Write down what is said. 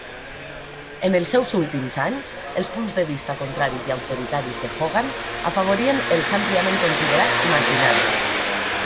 En els seus últims anys, els punts de vista contraris i antiautoritaris de Hogan afavorien els àmpliament considerats "marginals".